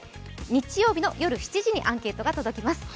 日曜日の夜７時にアンケートが届きます。